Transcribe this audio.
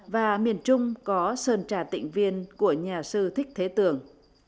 và miền trung có sơn trà tịnh viên của nhà sư thích thế tường